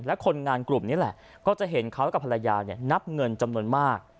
และคนงานกลุ่มนี้แหละก็จะเห็นเขากับภรรยานับเงินจำนวนมาก